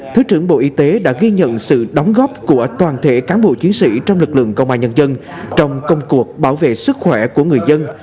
thứ trưởng bộ y tế đã ghi nhận sự đóng góp của toàn thể cán bộ chiến sĩ trong lực lượng công an nhân dân trong công cuộc bảo vệ sức khỏe của người dân